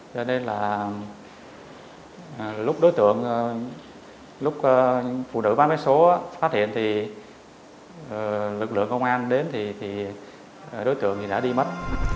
cho nên là lúc đối tượng lúc phụ nữ bán vé số phát hiện thì lực lượng công an đến thì đối tượng đã đi mất